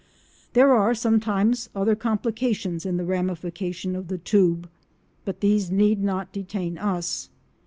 There are sometimes other complications in the ramification of the tube, but these need not detain us.